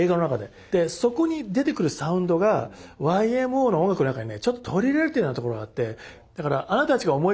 でそこに出てくるサウンドがＹＭＯの音楽の中にねちょっと取り入れられてるようなところがあって。